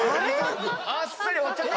あっさり終わっちゃった！